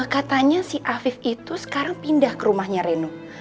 katanya si afif itu sekarang pindah ke rumahnya reno